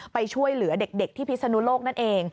ไปช่วยเหลือเด็กที่พิศนุโลกนั่นเอง